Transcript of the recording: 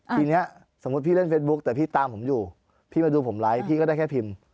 ทีนี้สมมุติพี่เล่นเฟซบุ๊คแต่พี่ตามผมอยู่พี่มาดูผมไลค์พี่ก็ได้แค่พิมพ์